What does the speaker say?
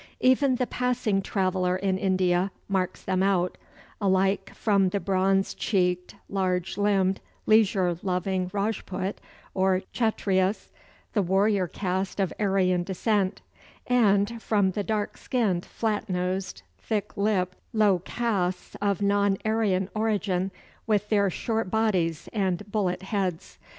Even the passing traveller in India marks them out, alike from the bronze cheeked, large limbed, leisure loving Rajput or Kchatryas, the warrior caste of Aryan descent; and from the dark skinned, flat nosed, thick lipped low castes of non Aryan origin, with their short bodies and bullet heads.